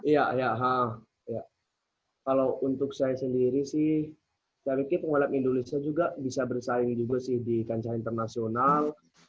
ya kalau untuk saya sendiri sih saya pikir pembalap indonesia juga bisa bersaing juga sih di kancah internasional